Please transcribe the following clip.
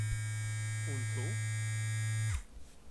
Un tu?